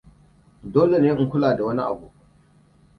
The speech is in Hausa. Dole ne in kula da wani abu.